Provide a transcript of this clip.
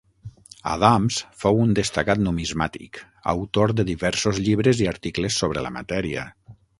Adams fou un destacat numismàtic, autor de diversos llibres i articles sobre la matèria.